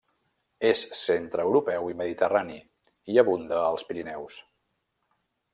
És centreeuropeu i mediterrani, i abunda als Pirineus.